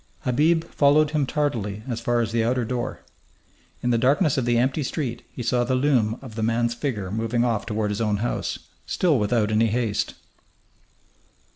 Habib followed him tardily as far as the outer door. In the darkness of the empty street he saw the loom of the man's figure moving off toward his own house, still without any haste.